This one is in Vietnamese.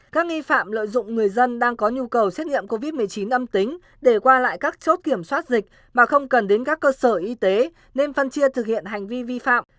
các nghi phạm lợi dụng người dân đang có nhu cầu xét nghiệm covid một mươi chín âm tính để qua lại các chốt kiểm soát dịch mà không cần đến các cơ sở y tế nên phân chia thực hiện hành vi vi phạm